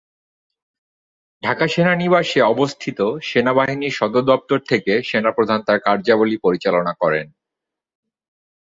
ঢাকা সেনানিবাসে অবস্থিত সেনাবাহিনীর সদরদপ্তর থেকে সেনাপ্রধান তার কার্যাবলী পরিচালনা করেন।